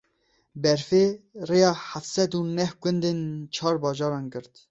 Berfê rêya heft sed û neh gundên çar bajaran girt.